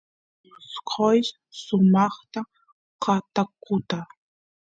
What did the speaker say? mosqoysh sumaqta ka katuta